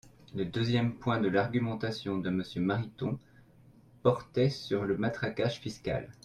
Le deuxième point de l’argumentation de Monsieur Mariton portait sur le matraquage fiscal.